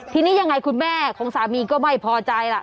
ทีนี้ยังไงคุณแม่ของสามีก็ไม่พอใจล่ะ